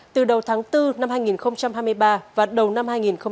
từ đầu tháng bốn năm hai nghìn hai mươi ba